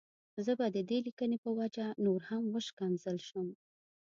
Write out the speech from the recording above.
زه به د دې ليکنې په وجه نور هم وشکنځل شم.